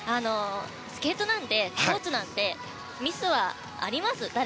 スケートなんてスポーツなんでミスは誰でもあります。